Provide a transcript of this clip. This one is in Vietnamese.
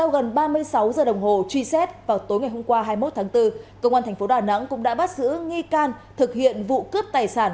gần ba mươi sáu giờ đồng hồ truy xét vào tối ngày hôm qua hai mươi một tháng bốn công an tp đà nẵng cũng đã bắt giữ nghi can thực hiện vụ cướp tài sản